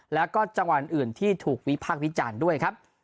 และเรื่องจังหวัดอื่นที่ถูกวิพักวิจารณ์ด้วย